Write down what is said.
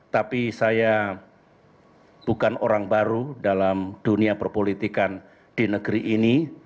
tapi saya bukan orang baru dalam dunia perpolitikan di negeri ini